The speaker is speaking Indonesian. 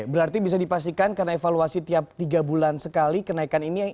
berarti bisa dipastikan karena evaluasi tiap tiga bulan sekali kenaikan ini